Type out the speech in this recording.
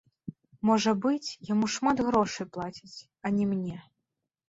Можа быць, яму шмат грошай плацяць, а не мне.